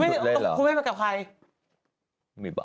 คุณไม่ไปกับใคร